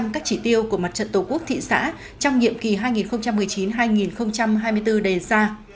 các chỉ tiêu của mặt trận tổ quốc thị xã trong nhiệm kỳ hai nghìn một mươi chín hai nghìn hai mươi bốn đề ra